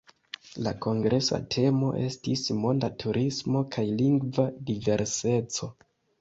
La kongresa temo estis "Monda turismo kaj lingva diverseco".